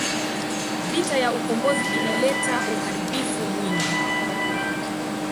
Vita ya ukombozi ilileta uharibifu mwingi.